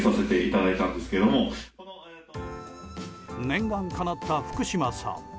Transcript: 念願かなった福島さん。